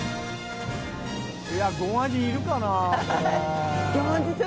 いやごんあじいるかな。